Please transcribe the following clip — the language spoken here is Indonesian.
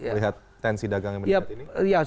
melihat tensi dagang yang meningkat ini